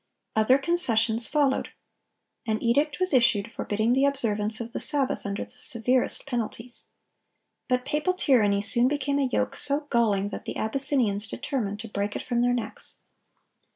Other concessions followed. An edict was issued forbidding the observance of the Sabbath under the severest penalties.(1015) But papal tyranny soon became a yoke so galling that the Abyssinians determined to break it from their necks.